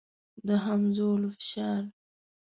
د همځولو فشار.